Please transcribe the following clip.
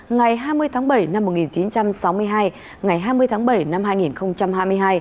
ngày hai mươi tháng bảy năm một nghìn chín trăm sáu mươi hai ngày hai mươi tháng bảy năm hai nghìn hai mươi hai